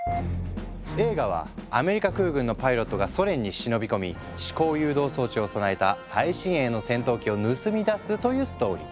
映画はアメリカ空軍のパイロットがソ連に忍び込み思考誘導装置を備えた最新鋭の戦闘機を盗み出すというストーリー。